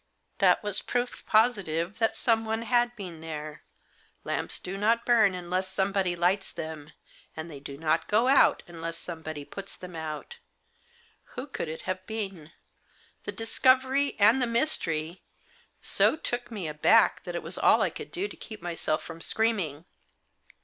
That was proof positive that someone had been there — lamps do not burn unless somebody lights them, and they do not go out unless somebody puts them out. Who could it have been ? The discovery — and the mystery !— so took me aback that it was all I could do to keep myself from screaming.